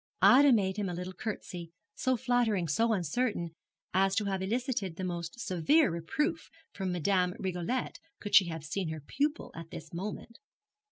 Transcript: Ida made him a little curtsey, so fluttering, so uncertain, as to have elicited the most severe reproof from Madame Rigolette could she have seen her pupil at this moment.